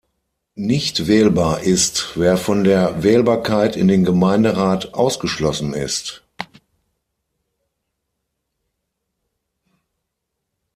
Nicht wählbar ist, wer von der Wählbarkeit in den Gemeinderat ausgeschlossen ist.